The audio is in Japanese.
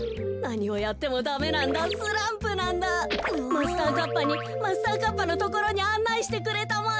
マスターカッパーにマスターカッパーのところにあんないしてくれたまえ。